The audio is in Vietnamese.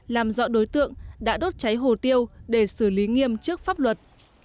làm rõ đối tượng đã đốt cháy hồ tiêu để xử lý nghiêm trước pháp luật